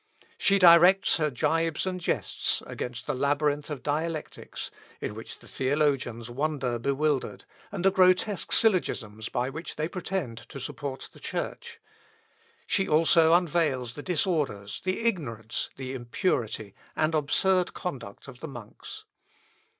She directs her jibes and jests against the labyrinth of dialectics, in which the theologians wander bewildered, and the grotesque syllogisms by which they pretend to support the Church. She also unveils the disorders, the ignorance, the impurity, and absurd conduct of the monks.